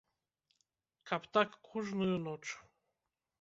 Каб так кожную ноч!